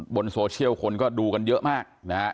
บนโซเชียลคนก็ดูกันเยอะมากนะฮะ